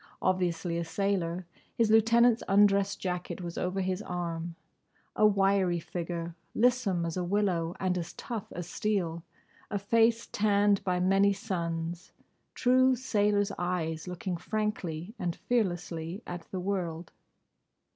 Obviously a sailor. His lieutenant's undress jacket was over his arm. A wiry figure, lissome as a willow and as tough as steel; a face tanned by many suns; true sailor's eyes looking frankly and fearlessly at the world.